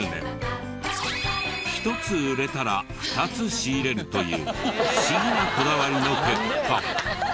「１つ売れたら２つ仕入れる」という不思議なこだわりの結果